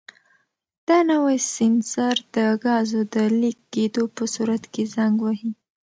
دا نوی سینسر د ګازو د لیک کېدو په صورت کې زنګ وهي.